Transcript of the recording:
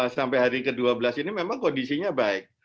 sampai hari ke dua belas ini memang kondisinya baik